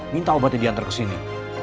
minta obatnya diantar kesini